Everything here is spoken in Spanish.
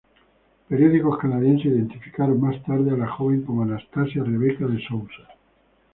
Periódicos canadienses identificaron más tarde a la joven como Anastasia Rebecca De Sousa.